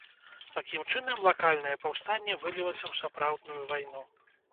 Такім чынам лакальнае паўстанне вылілася ў сапраўдную вайну.